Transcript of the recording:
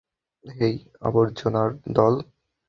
হেই, আবর্জনার দল!